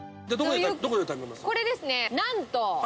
これですね何と。